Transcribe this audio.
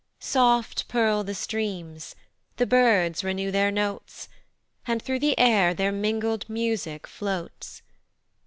Soft purl the streams, the birds renew their notes, And through the air their mingled music floats.